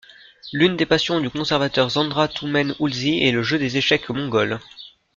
L'une des passions du conservateur Zandraa Tumen-Ulzii est le jeux des échecs mongols.